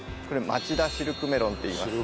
まちだシルクメロンっていいます。